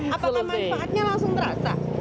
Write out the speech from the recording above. apakah manfaatnya langsung terasa